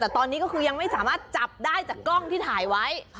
แต่ตอนนี้ก็คือยังไม่สามารถจับได้จากกล้องที่ถ่ายไว้